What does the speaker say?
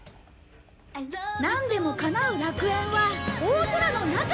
「なんでもかなう楽園は大空の中にあった！」